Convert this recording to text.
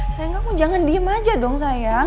sayang aku jangan diem aja dong sayang